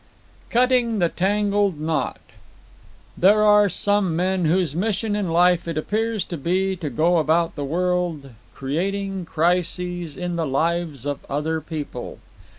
Cutting the Tangled Knot There are some men whose mission in life it appears to be to go about the world creating crises in the lives of other people.